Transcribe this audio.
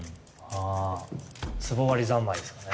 あ「壷割り三昧」ですかね。